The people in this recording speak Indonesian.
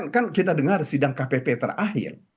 kan kita dengar sidang kpp terakhir